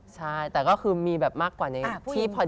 ใช่แต่ก็คือมีแบบมากกว่านี้